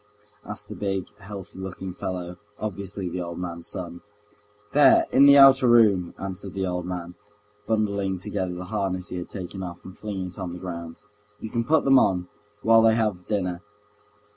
asked the big, healthy looking fellow, obviously the old man's son. "There ... in the outer room," answered the old man, bundling together the harness he had taken off, and flinging it on the ground. "You can put them on, while they have dinner."